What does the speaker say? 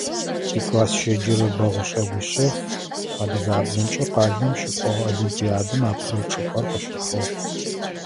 Тикласс щеджэрэ Бэгъушъэ Гушъэф адыгабзэмкӀэ къалэм щыкӀогъэ олимпиадэм апэрэ чӀыпӀэр къыщихьыгъ.